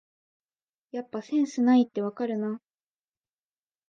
やっぱセンスないってわかるな